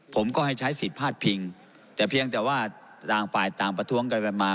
ผมก็ให้ใช้สิทธิ์พาดพิงแต่เพียงแต่ว่าต่างฝ่ายต่างประท้วงกันไปมา